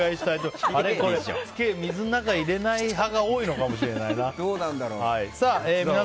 これ、水の中に入れない派が多いかもしれないな。